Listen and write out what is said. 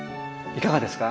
いかがですか？